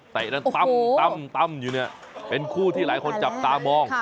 ตั้มอยู่เนี่ยเป็นคู่ที่หลายคนจับตามอง